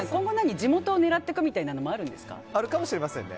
地元を狙ってくみたいなのあるんですか。